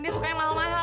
dia suka yang mahal mahal